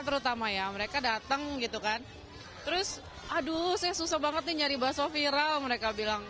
terutama ya mereka datang gitu kan terus aduh saya susah banget nih nyari bakso viral mereka bilang